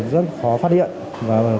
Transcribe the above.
rất khó phát hiện